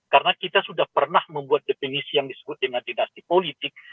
karena kita sudah pernah membuat definisi yang disebut dengan dinasti politik